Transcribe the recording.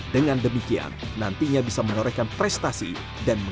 dengan demikian nantinya birdsan akan melakukan peningkatan pembangunan